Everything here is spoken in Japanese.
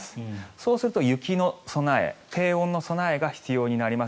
そうすると雪の備え低温の備えが必要になります。